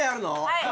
はい。